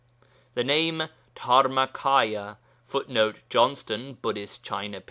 The name Dharmakâya [Footnote: Johnston, Buddhist China, p.